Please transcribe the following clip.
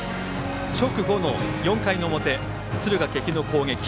直後の４回の表敦賀気比の攻撃。